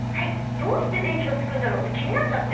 どうして電気がつくんだろうって気になっちゃって。